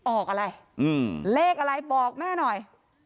ออกอะไรเลขอะไรบอกแม่หน่อย